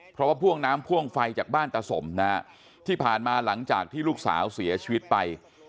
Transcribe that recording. เพราะว่าพ่วงน้ำพ่วงไฟจากบ้านตาสมนะฮะที่ผ่านมาหลังจากที่ลูกสาวเสียชีวิตไป